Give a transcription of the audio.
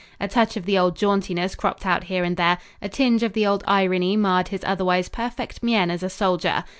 A touch of the old jauntiness cropped out here and there, a tinge of the old irony marred his otherwise perfect mien as a soldier.